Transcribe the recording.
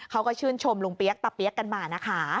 เขาก็ชื่นชมลุงเปี๊ยกตะเปี๊ยกกันมานะคะ